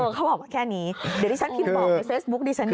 เขาบอกแค่นี้เดี๋ยวดิฉันกินบอกไปเซ็ตส์บุ๊คดิฉันดีกว่า